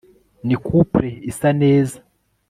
Ni coupleisa neza